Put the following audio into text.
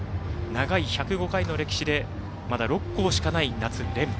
長い１０５回の歴史でまだ６校しかない夏連覇。